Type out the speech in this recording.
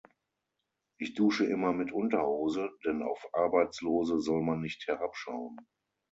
Ich dusche immer mit Unterhose, denn auf Arbeitslose soll man nicht herabschauen.